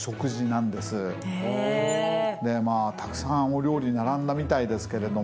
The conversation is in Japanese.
たくさんお料理並んだみたいですけれども